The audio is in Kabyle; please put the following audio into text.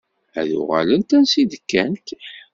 Ad uɣalent ansa i d-kkant.